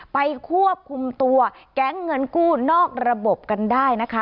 ไปควบคุมตัวแก๊งเงินกู้นอกระบบกันได้นะคะ